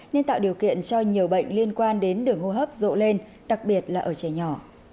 nên tạo điều kiện cho nhiều bệnh liên quan đến đường hô hấp rộ lên đặc biệt là ở trẻ nhỏ